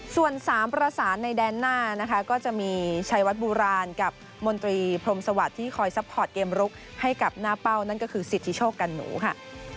ส่วน๓ประสานในแดนหน้านะคะก็จะมีชัยวัดโบราณกับมนตรีพรมสวัสดิ์ที่คอยซัพพอร์ตเกมรุกให้กับหน้าเป้านั่นก็คือสิทธิโชคกันหนูค่ะ